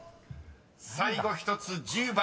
［最後１つ１０番